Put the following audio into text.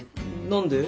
何で？